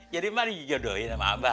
jadi mana dijodohin sama abah